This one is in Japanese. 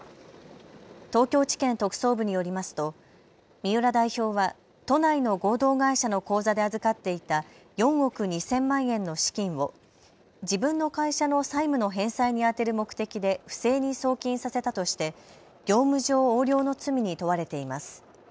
東京地検特捜部によりますと三浦代表は都内の合同会社の口座で預かっていた４億２０００万円の資金を自分の会社の債務の返済に充てる目的で不正に送金させたとして業務上横領の罪に問われています。